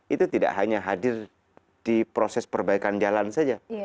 itu tidak hanya hadir di proses perbaikan jalan saja